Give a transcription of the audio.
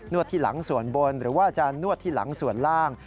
วดที่หลังส่วนบนหรือว่าจะนวดที่หลังส่วนล่าง